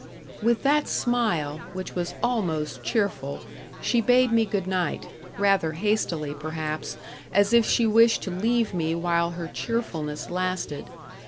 With that smile, which was almost cheerful, she bade me good night rather hastily, perhaps, as if she wished to leave me while her cheerfulness lasted.